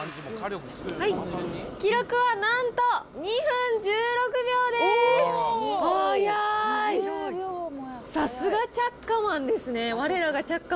記録はなんと、２分１６秒です。